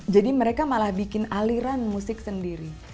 jadi mereka malah bikin aliran musik sendiri